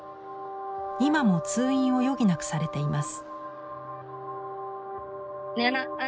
今も通院を余儀なくされています。